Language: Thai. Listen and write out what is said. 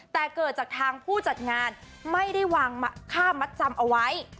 แต่เกิดจากทางผู้จัดงานไม่ได้วางค่ามัดจำเอาไว้